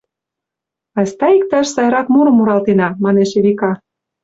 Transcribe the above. Айста иктаж сайрак мурым муралтена, — манеш Эвика.